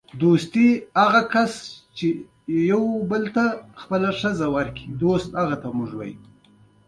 انګلیسي د اختراعاتو ژبه ده